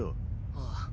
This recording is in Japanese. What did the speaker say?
ああ。